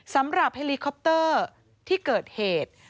สำหรับเฮลีคอปเตอร์ที่เกิดเหตุ